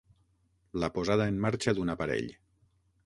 La posada en marxa d'un aparell.